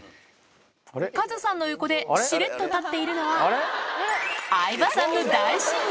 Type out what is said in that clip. カズさんの横でしれっと立っているのは相葉さんの大親友。